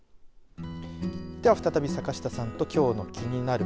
では再び坂下さんときょうのキニナル！